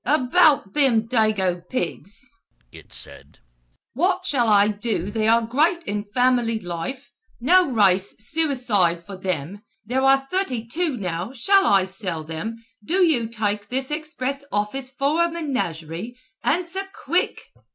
"About them dago pigs," it said, "what shall I do they are great in family life, no race suicide for them, there are thirty two now shall I sell them do you take this express office for a menagerie, answer quick."